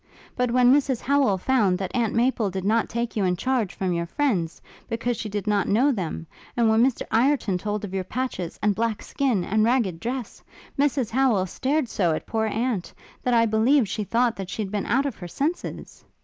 But when Mrs Howel found that Aunt Maple did not take you in charge from your friends, because she did not know them; and when Mr Ireton told of your patches, and black skin, and ragged dress, Mrs Howel stared so at poor aunt, that I believe she thought that she had been out of her senses.